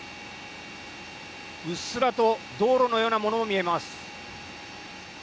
うっすらと道路のようなものも見えます。